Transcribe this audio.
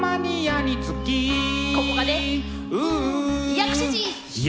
薬師寺！